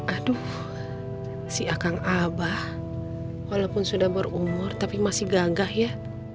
aduh si akang abah walaupun sudah berumur tapi masih gagah ya